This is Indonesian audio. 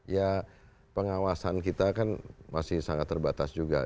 ya pengawasan kita kan masih sangat terbatas juga